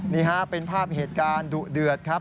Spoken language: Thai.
นี่ฮะเป็นภาพเหตุการณ์ดุเดือดครับ